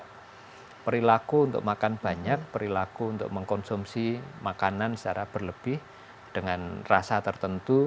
karena perilaku untuk makan banyak perilaku untuk mengkonsumsi makanan secara berlebih dengan rasa tertentu